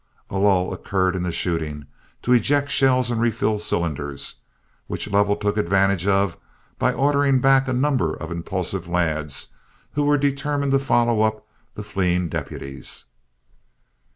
A lull occurred in the shooting, to eject shells and refill cylinders, which Lovell took advantage of by ordering back a number of impulsive lads, who were determined to follow up the fleeing deputies.